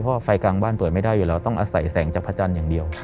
เพราะไฟกลางบ้านเปิดไม่ได้อยู่แล้วต้องอาศัยแสงจากพระจันทร์อย่างเดียว